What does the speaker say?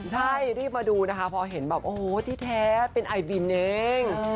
ใช่รีบมาดูนะคะพอเห็นแบบโอ้โหที่แท้เป็นไอบินเอง